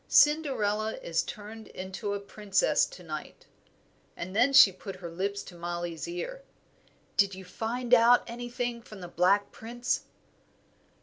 Cinderella is turned into a princess to night." And then she put her lips to Mollie's ear. "Did you find out anything from the Black Prince?"